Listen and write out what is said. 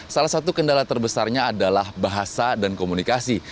salah satu kendala terbesarnya adalah bahasa dan komunikasi